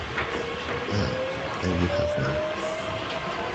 Ah, there you have me.